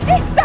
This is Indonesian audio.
ih gak mau